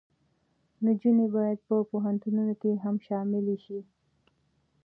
نجونې باید په پوهنتونونو کې هم شاملې شي.